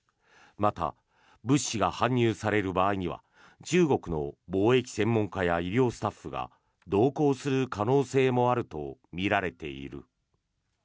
また、物資が搬入される場合には中国の防疫専門家や医療スタッフが同行する可能性もあるとみられている。